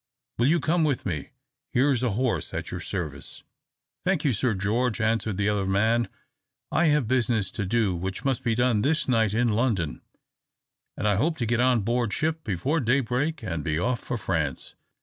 Will you come with me? Here's a horse at your service." "Thank you, Sir George," answered the other man, "I have business to do which must be done this night, in London, and I hope to get on board ship before daybreak and be off for France.